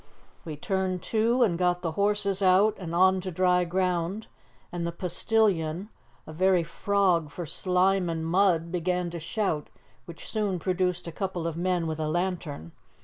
We turned to and got the horses out and on to dry ground, and the postilion, a very frog for slime and mud, began to shout, which soon produced a couple of men with a lantern.